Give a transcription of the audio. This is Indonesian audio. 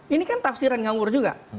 ini kan tafsiran ngawur juga